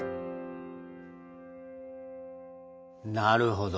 なるほど。